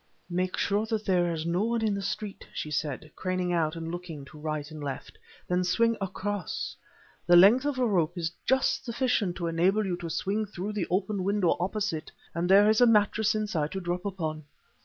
"Make sure that there is no one in the street," she said, craning out and looking to right and left, "then swing across. The length of the rope is just sufficient to enable you to swing through the open window opposite, and there is a mattress inside to drop upon.